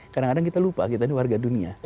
kadang kadang kita lupa kita ini warga dunia